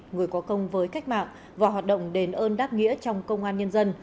người có công với cách mạng và hoạt động đền ơn đáp nghĩa trong công an nhân dân